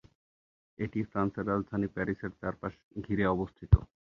এটি ফ্রান্সের রাজধানী প্যারিসের চারপাশ ঘিরে অবস্থিত।